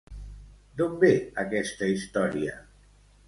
D'on ve aquesta història?